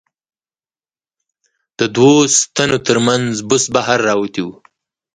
د دوو ستنو له منځه بوس بهر را وتي و.